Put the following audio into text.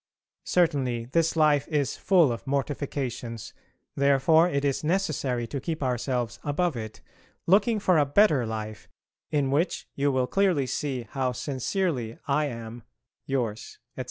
Certainly this life is full of mortifications, therefore it is necessary to keep ourselves above it, looking for a better life in which you will clearly see how sincerely I am, Yours, etc.